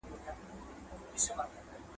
په لحد کي به نارې کړم زړه مي ډک له ارمانونو!